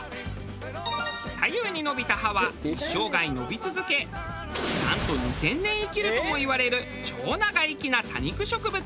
左右に伸びた葉は一生涯伸び続けなんと２０００年生きるともいわれる超長生きな多肉植物。